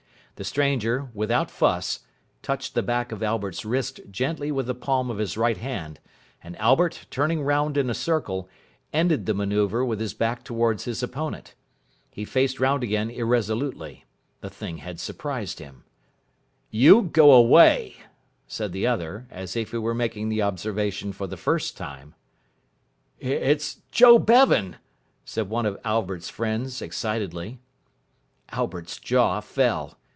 The stranger, without fuss, touched the back of Albert's wrist gently with the palm of his right hand, and Albert, turning round in a circle, ended the manoeuvre with his back towards his opponent. He faced round again irresolutely. The thing had surprised him. "You go away," said the other, as if he were making the observation for the first time. "It's Joe Bevan," said one of Albert's friends, excitedly. Albert's jaw fell.